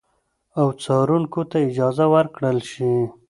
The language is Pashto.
او څارونکو ته اجازه ورکړل شي